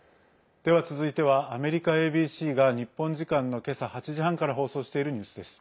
では続いてはアメリカＡＢＣが日本時間の今朝８時半から放送しているニュースです。